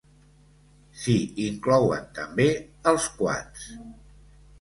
S'hi inclouen també els quads.